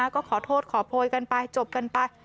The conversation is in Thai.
ก็ขอโทษขอโพยกันไปจบกันไป